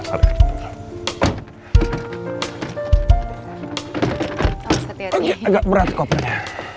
agak berat kopernya